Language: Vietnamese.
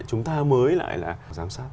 chúng ta mới lại là giám sát